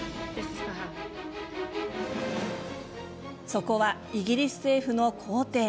そこはイギリス政府の公邸。